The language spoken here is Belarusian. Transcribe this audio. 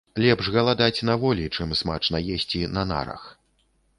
Лепш галадаць на волі, чым смачна есці на нарах.